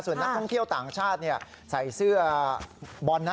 ส่วนนักท่องเที่ยวต่างชาติใส่เสื้อบอลนะ